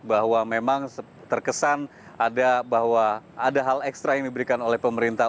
bahwa memang terkesan ada bahwa ada hal ekstra yang diberikan oleh pemerintah